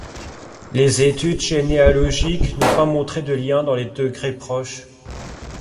Les études généalogiques n'ont pas montré de lien dans les degrés proches.